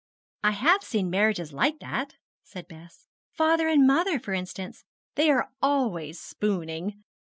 'I have seen marriages like that,' said Bess. 'Father and mother, for instance. They are always spooning.